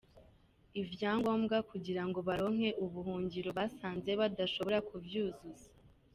"Ivyangombwa kugira ngo baronke ubuhungiro basanze badashobora kuvyuzuza.